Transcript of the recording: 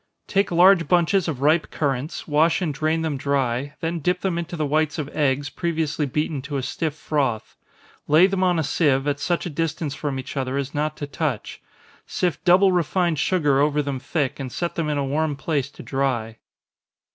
_ Take large bunches of ripe currants, wash and drain them dry, then dip them into the whites of eggs, previously beaten to a stiff froth. Lay them on a sieve, at such a distance from each other as not to touch sift double refined sugar over them thick, and set them in a warm place to dry.